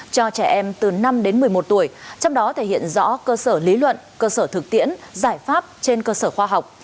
cho trẻ em từ năm đến một mươi một tuổi trong đó thể hiện rõ cơ sở lý luận cơ sở thực tiễn giải pháp trên cơ sở khoa học